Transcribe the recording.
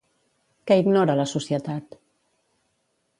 Què ignora la societat?